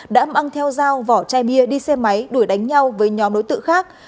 đã mang theo dao vỏ chai bia đi xe máy đuổi đánh nhau với nhóm đối tượng khác